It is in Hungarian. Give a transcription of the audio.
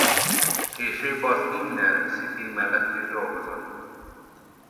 Később az Inner City mellett is dolgozott.